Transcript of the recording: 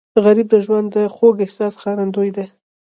غریب د ژوند د خوږ احساس ښکارندوی دی